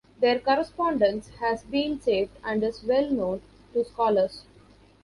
Their correspondence has been saved and is well known to scholars.